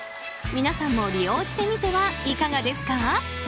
皆さんも利用してみてはいかがですか？